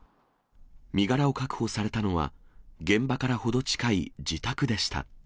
身柄を確保されたのは、現場から程近い自宅でした。